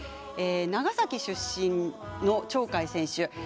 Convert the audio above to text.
長崎出身の鳥海選手。